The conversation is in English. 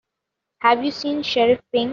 Have you seen Sheriff Pink?